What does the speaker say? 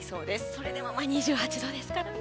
それでも２８度ですからね。